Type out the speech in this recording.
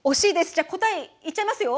じゃあ答え言っちゃいますよ。